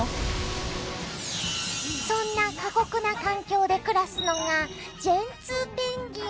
そんな過酷な環境で暮らすのがジェンツーペンギン。